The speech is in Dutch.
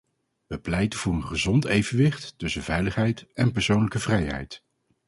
We pleiten voor een gezond evenwicht tussen veiligheid en persoonlijke vrijheid.